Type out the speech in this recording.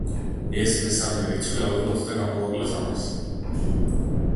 ეს მესამე რიცხვი ავიღოთ და გამოვაკლოთ ამას.